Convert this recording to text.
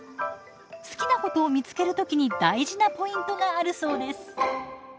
好きなことを見つける時に大事なポイントがあるそうです。